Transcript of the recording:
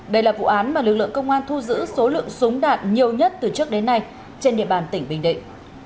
đây là vụ án mà lực lượng công an thu giữ số lượng súng đạn nhiều nhất từ trước đến nay trên địa bàn tỉnh bình định